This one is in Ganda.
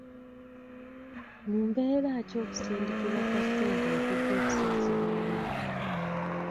Mu mbeera ki okusindikibwa kwa ssente we kujja okusazibwamu?